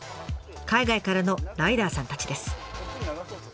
海外からのライダーさんたちです。